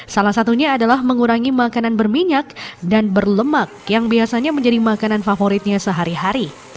salah satunya adalah mengurangi makanan berminyak dan berlemak yang biasanya menjadi makanan favoritnya sehari hari